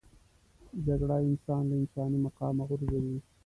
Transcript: جګړه انسان له انساني مقامه غورځوي